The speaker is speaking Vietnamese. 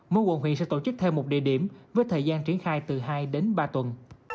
mỗi quận huyện sẽ tổ chức thêm một địa điểm với thời gian triển khai từ hai đến ba tuần